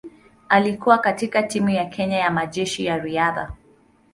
Alikuwa katika timu ya Kenya ya Majeshi ya Riadha.